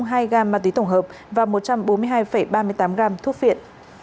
một mươi tám hai gram ma túy tổng hợp và một trăm bốn mươi hai ba mươi tám gram thuốc phiện